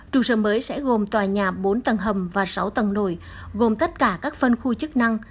trụ sở mới sẽ gồm tòa nhà bốn tầng hầm và sáu tầng nổi gồm tất cả các phân khu chức năng